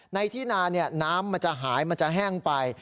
ในที่นาน้ำมันจะหายมันจะแห้งไป